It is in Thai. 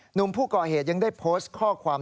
หนุ่มผู้ก่อเหตุยังได้โพสต์ข้อความ